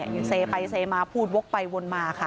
ยังเซไปเซมาพูดวกไปวนมาค่ะ